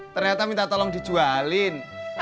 ternyata minta tolong dijualin